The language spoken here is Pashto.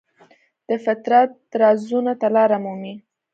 د فطرت رازونو ته لاره مومي.